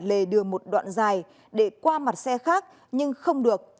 lề đường một đoạn dài để qua mặt xe khác nhưng không được